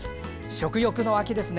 食欲の秋ですね。